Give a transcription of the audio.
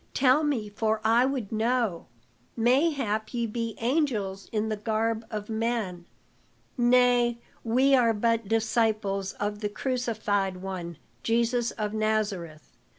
"Tell me, for I would know; mayhap ye be angels in the garb of men." "Nay, we are but disciples of the crucified one, Jesus of Nazareth.